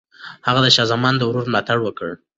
هغه د شاه زمان د ورور ملاتړ وکړ.